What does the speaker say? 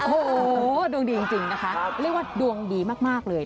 โอ้โหดวงดีจริงนะคะเรียกว่าดวงดีมากเลย